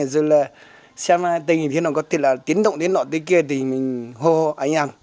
rồi là xe máy tình thì nó có tiến động đến nọ tới kia thì mình hô hô anh em